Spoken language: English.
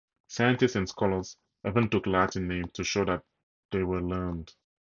Scientists and scholars even took Latin names to show that they were learned.